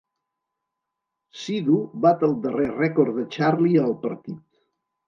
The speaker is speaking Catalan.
Siddhu bat el darrer rècord de Charlie al partit.